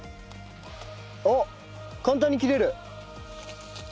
おっ簡単に切れる。